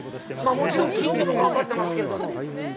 もちろん、金魚も頑張ってますけれども。